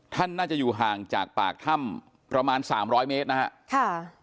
ท่านน่าจะอยู่ห่างจากปากถ้ำประมาณสามร้อยเมตรนะฮะค่ะ